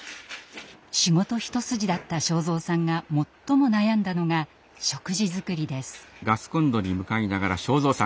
仕事一筋だった昭蔵さんが最も悩んだのが食事作りです。